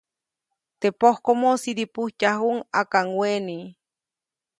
Teʼ pojkomo sidipujtyajuʼuŋ ʼakaŋweʼni.